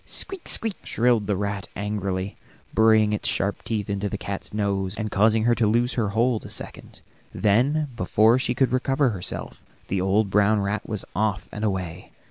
"Squeak, squeak," shrilled the rat angrily, burying its sharp teeth in the cat's nose, and causing her to loose her hold a second. Then, before she could recover herself, the old brown rat was off and away.